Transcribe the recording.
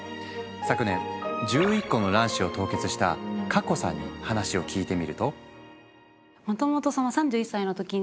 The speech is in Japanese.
昨年１１個の卵子を凍結した佳香さんに話を聞いてみると。